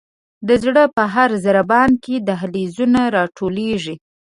د زړه په هر ضربان کې دهلیزونه را ټولیږي.